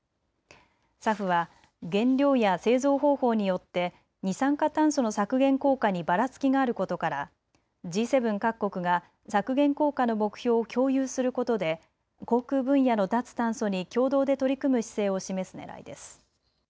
ＳＡＦは原料や製造方法によって二酸化炭素の削減効果にばらつきがあることからＧ７各国が削減効果の目標を共有することで航空分野の脱炭素に共同で取り組む姿勢を示すねらいです。